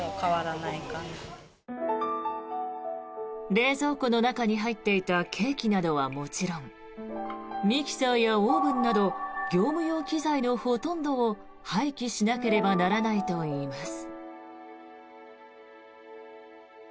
冷蔵庫の中に入っていたケーキなどはもちろんミキサーやオーブンなど業務用機材のほとんどを廃棄しなければならないといいます。